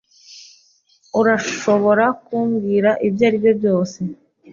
Urashobora kumbwira ibyaribyo byose.